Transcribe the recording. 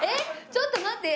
ちょっと待って。